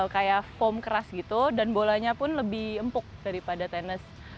kayak foam keras gitu dan bolanya pun lebih empuk daripada tenis